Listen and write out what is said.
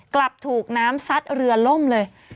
กลับถูกน้ำซัดเรือล่มเลย